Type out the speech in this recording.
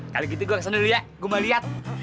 kali gitu gua kesana dulu ya gua mau liat